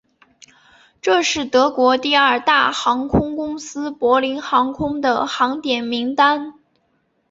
这是德国第二大航空公司柏林航空的航点名单。